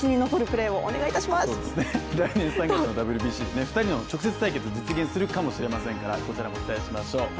そうですね、来年３月のＷＢＣ、２人の直接対決実現するかもしれませんからこちらも期待しましょう。